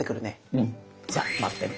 うん。じゃ待ってる。